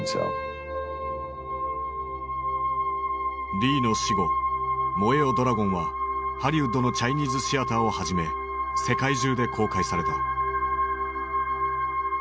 リーの死後「燃えよドラゴン」はハリウッドのチャイニーズシアターをはじめ世界中で公開された。